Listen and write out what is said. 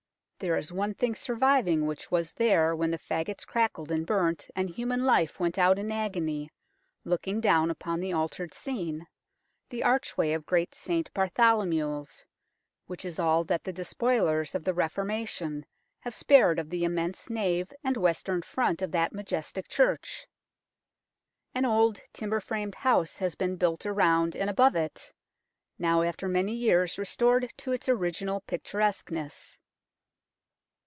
There is one thing surviving which was there when the faggots crackled and burnt and human life went out in agony, looking down upon the altered scene the archway of Great St Bartholomew's, which is all that the despoilers of the Reformation have spared of the immense nave and western front of that majestic church. An old timber framed house has been built around and above it, now after many years restored to its original picturesqueness.